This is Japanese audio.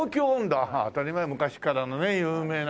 当たり前昔からのね有名な。